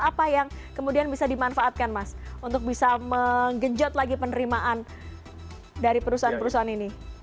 apa yang kemudian bisa dimanfaatkan mas untuk bisa menggenjot lagi penerimaan dari perusahaan perusahaan ini